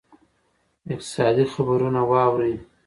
اقتصادي خبرونه واورئ.